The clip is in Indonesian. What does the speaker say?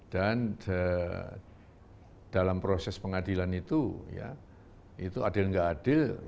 dan dalam proses pengadilan itu ya itu adil gak adil